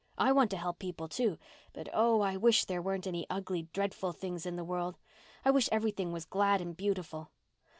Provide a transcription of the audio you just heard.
I want to help people, too. But oh, I wish there weren't any ugly, dreadful things in the world. I wish everything was glad and beautiful."